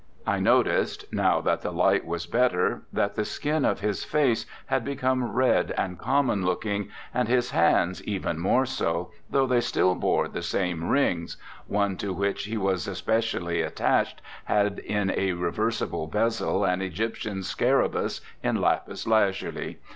I noticed, now that the light was better, that the skin of his face had become red and common looking, and his hands even more so, though they still bore the same rings one to which he was especially attached had in a reversible bezel an Egyptian scarabæus in lapis lazuli.